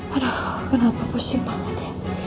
aduh kenapa pusing banget